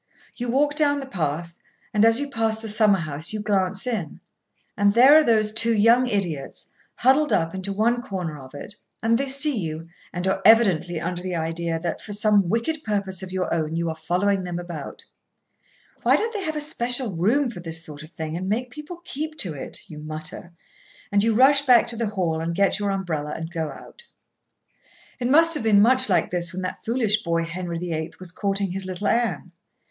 You walk down the path, and as you pass the summer house you glance in, and there are those two young idiots, huddled up into one corner of it; and they see you, and are evidently under the idea that, for some wicked purpose of your own, you are following them about. "Why don't they have a special room for this sort of thing, and make people keep to it?" you mutter; and you rush back to the hall and get your umbrella and go out. It must have been much like this when that foolish boy Henry VIII. was courting his little Anne.